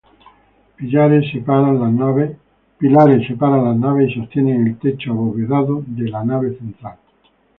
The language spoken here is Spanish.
Pilares separan las naves y sostienen el techo abovedado de la nave central.